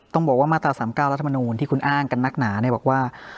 ต้องบอกว่ามาตราสามเก้ารัฐมนูนที่คุณอ้างกับนักหนาเนี่ยบอกว่า